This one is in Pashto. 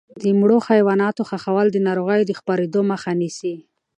د مړو حیواناتو ښخول د ناروغیو د خپرېدو مخه نیسي.